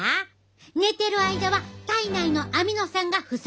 寝てる間は体内のアミノ酸が不足。